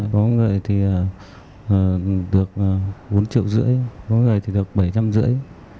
có người thì được bốn triệu rưỡi có người thì được bảy trăm linh rưỡi